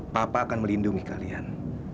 papa akan melindungi kalian